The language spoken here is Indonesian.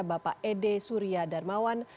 bapak ede surya darmawan